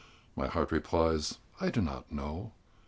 My heart replies, "I do not know."